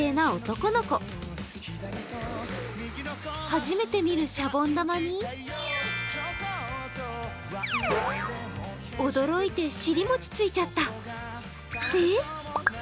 初めて見るシャボン玉に驚いて尻もちついちゃった。